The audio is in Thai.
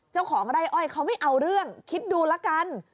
เจ้าของไร่อ้อยเขาไม่เอาเรื่องคิดดูละกัน